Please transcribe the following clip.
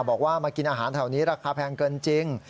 บอกว่ามากินอาหารแถวนี้ราคาแพงเกินจริง